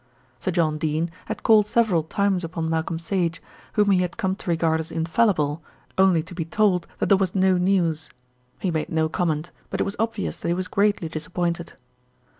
Sir John Dene had called several times upon Malcolm Sage, whom he had come to regard as infallible, only to be told that there was no news. He made no comment; but it was obvious that he was greatly disappointed.